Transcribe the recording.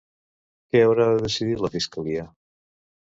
Què haurà de decidir la fiscalia?